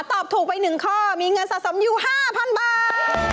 ตอบถูกไป๑ข้อมีเงินสะสมอยู่๕๐๐๐บาท